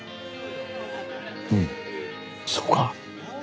うんそうか。